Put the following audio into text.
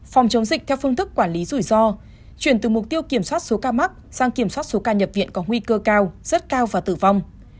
phòng chống dịch theo phương thức quản lý rủi ro chuyển từ mục tiêu kiểm soát số ca mắc sang kiểm soát số ca nhập viện có nguy cơ cao rất cao và tử vong